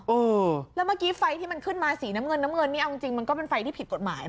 เออแล้วเมื่อกี้ไฟที่มันขึ้นมาสีน้ำเงินน้ำเงินนี่เอาจริงมันก็เป็นไฟที่ผิดกฎหมาย